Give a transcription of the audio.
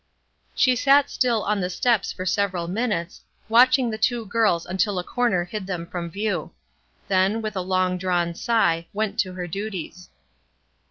She sat still on the steps for several minutes, watching the two girls until a corner hid them 64 ESTER RIED'S NAMESAKE from view; then, with a long drawn sigh, went to her duties.